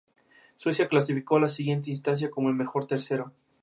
En su última voluntad, legó su fortuna al hospital de Milán.